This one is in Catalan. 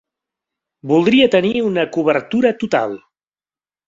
Voldria tenir una cobertura total.